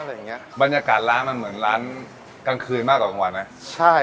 อะไรอย่างเงี้ยบรรยากาศร้านมันเหมือนร้านกลางคืนมากกว่ากลางวันไหมใช่